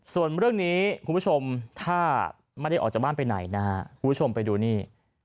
ส่วนเรื่องนี้คุณผู้ชมถ้าไม่ได้ออกจากบ้านไปไหนนะฮะคุณผู้ชมไปดูนี่